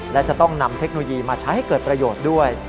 และจะต้องนำเทคโนโลยีมาใช้ให้เกิดประโยชน์ด้วย